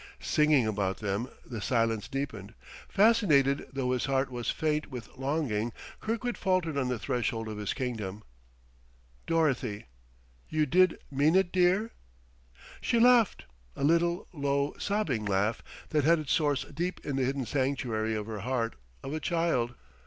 Singing about them, the silence deepened. Fascinated, though his heart was faint with longing, Kirkwood faltered on the threshold of his kingdom. "Dorothy!... You did mean it, dear?" She laughed, a little, low, sobbing laugh that had its source deep in the hidden sanctuary of her heart of a child.